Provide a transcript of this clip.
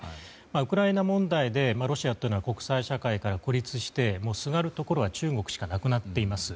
ウクライナ問題でロシアというのは国際社会から孤立してもう、すがるところは中国しかなくなっています。